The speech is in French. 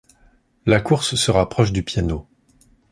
La course se rapproche du piano.